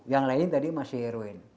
yang lain tadi masih erwin